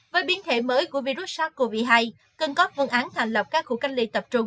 với biến thể mới của virus sars cov hai cần có vương án thành lập các khu cách ly tập trung